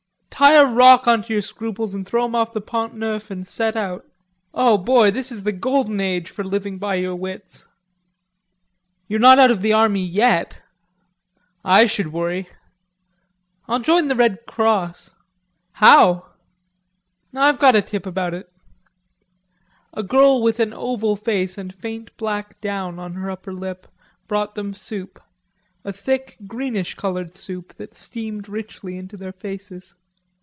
"Tie a rock on to your scruples and throw 'em off the Pont Neuf and set out.... O boy, this is the golden age for living by your wits." "You're not out of the army yet." "I should worry.... I'll join the Red Cross." "How?" "I've got a tip about it." A girl with oval face and faint black down on her upper lip brought them soup, a thick greenish colored soup, that steamed richly into their faces.